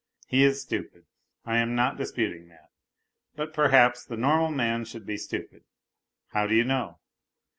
He is stupid. I am not disputing that, but perhaps the normal man should be stupid, how do you know